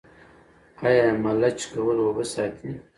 آیا ملچ کول اوبه ساتي؟